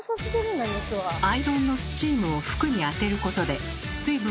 アイロンのスチームを服に当てることで水分を含んだ